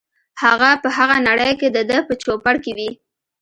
هغه په هغه نړۍ کې دده په چوپړ کې وي.